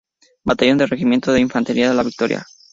Batallón del Regimiento de Infantería La Victoria.